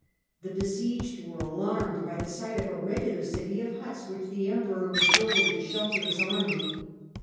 The besieged were alarmed by the sight of a regular city of huts which the Emperor was building to shelter his army.